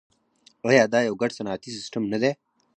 آیا دا یو ګډ صنعتي سیستم نه دی؟